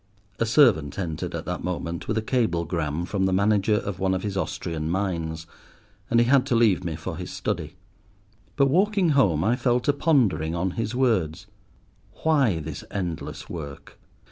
A servant entered at that moment with a cablegram from the manager of one of his Austrian mines, and he had to leave me for his study. But, walking home, I fell to pondering on his words. Why this endless work?